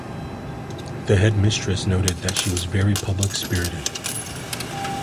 The headmistress noted that she was "very public-spirited".